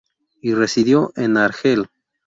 Y, residió en Argel.